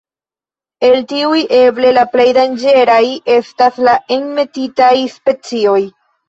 El tiuj, eble la plej danĝeraj estas la enmetitaj specioj.